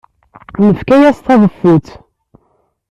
Nefka-as taḍeffut.